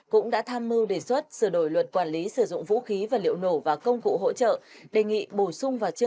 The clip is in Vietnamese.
cũng đã tham mưu đề xuất sửa đổi luật quản lý sử dụng vũ khí và liệu nổ